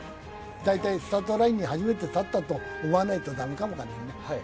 大体スタートラインに初めて立ったと思わないと駄目かも分からないね。